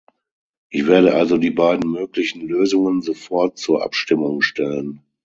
Ich werde also die beiden möglichen Lösungen sofort zur Abstimmung stellen.